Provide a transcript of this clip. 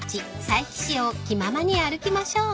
佐伯市を気ままに歩きましょう］